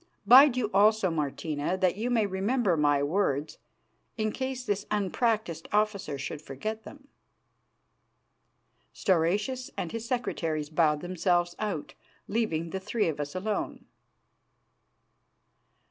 Bide you also, Martina, that you may remember my words in case this unpractised officer should forget them." Stauracius and his secretaries bowed themselves out, leaving the three of us alone.